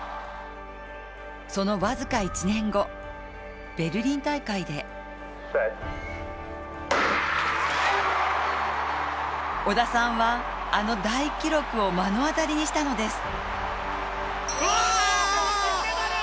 その僅か１年後、ベルリン大会で織田さんはあの大記録を目の当たりにしたのです。